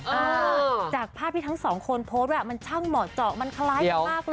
เออจากภาพที่ทั้งสองคนโพสต์มันช่างเหมาะเจาะมันคล้ายกันมากเลย